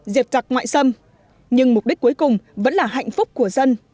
diệt giặc ngoại xâm nhưng mục đích cuối cùng vẫn là hạnh phúc của dân